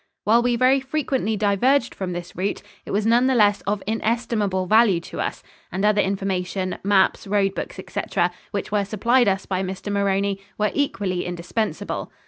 While we very frequently diverged from this route, it was none the less of inestimable value to us, and other information, maps, road books, etc., which were supplied us by Mr. Maroney, were equally indispensable.